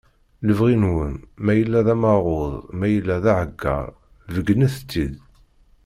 Lebɣi-nwen ma yella d amaɣud, ma yella d aheggar beggnet-t-id